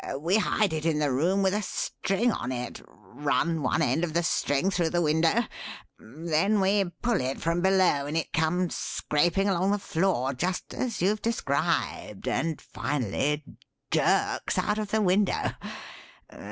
We hide it in the room with a string on it, run one end of the string through the window; then we pull if from below and it comes scraping along the floor, just as you've described, and finally jerks out of the window.